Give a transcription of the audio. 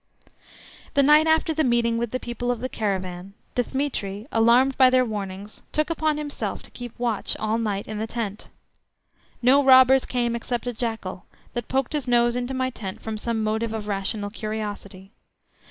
The night after the meeting with the people of the caravan, Dthemetri, alarmed by their warnings, took upon himself to keep watch all night in the tent. No robbers came except a jackal, that poked his nose into my tent from some motive of rational curiosity.